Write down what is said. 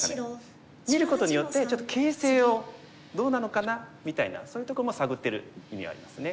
見ることによってちょっと形勢を「どうなのかな？」みたいなそういうとこも探ってる意味はありますね。